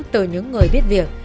từ những người biết việc